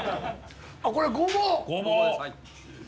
あっこれごぼう。